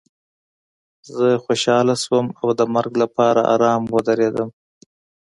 زه خوشحاله شوم او د مرګ لپاره ارام ودرېدم